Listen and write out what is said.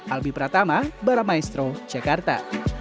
albi pratama baramaestro jakarta